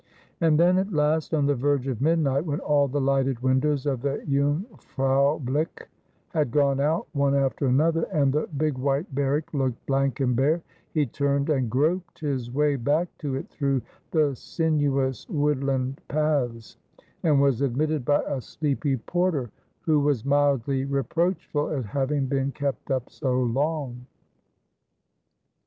And then, at last, on the verge of midnight, when all the lighted windows of the Jungfraubiich had gone out one after another, and the big white barrack looked blank and bare, he turned and groped his way back to it through the sinuous woodland paths, and was admitted by a sleepy porter, who was mildly reproachful at having been kept up so long.